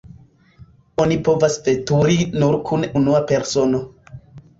Oni povas veturi nur kun unua persono.